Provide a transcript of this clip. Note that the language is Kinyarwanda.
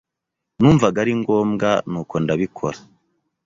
Numvaga ari ngombwa, nuko ndabikora.